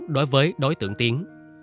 đối với đối tượng tiến